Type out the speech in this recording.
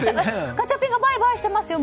ガチャピンがバイバイしてますよ